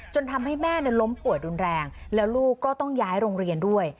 ทำให้แม่ล้มป่วยรุนแรงแล้วลูกก็ต้องย้ายโรงเรียนด้วย